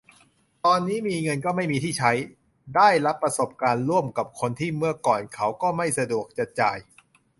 ตอนนี้มีเงินก็ไม่มีที่ใช้ ได้รับประสบการณ์ร่วมกับคนที่เมื่อก่อนเขาก็ไม่สะดวกจะจ่าย